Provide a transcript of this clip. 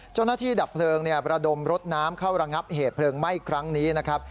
ดับเพลิงประดมรถน้ำเข้าระงับเหตุเพลิงไหม้ครั้งนี้นะครับ